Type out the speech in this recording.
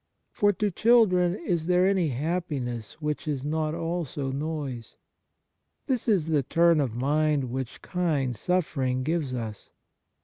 For to children is there any happiness which is not also noise ? This is the turn of mind which kind suffering gives us.